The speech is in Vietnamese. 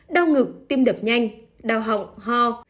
đau ngực tim đập nhanh đau họng ho